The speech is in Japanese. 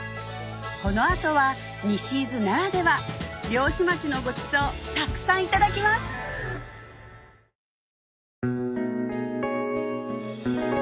この後は西伊豆ならでは漁師町のごちそうたくさんいただきます酒井美紀の西伊豆